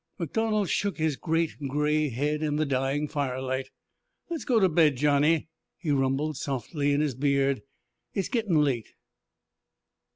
MacDonald shook his great gray head in the dying firelight. "Let's go to bed, Johnny," he rumbled softly in his beard. "It's gettin' late."